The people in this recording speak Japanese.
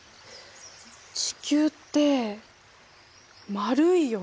地球って丸いよね。